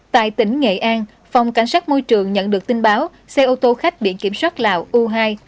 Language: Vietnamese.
tại tỉnh nghệ an phòng cảnh sát môi trường nhận được tin báo xe ô tô khách biển kiểm soát lào u hai hai nghìn bốn trăm sáu mươi tám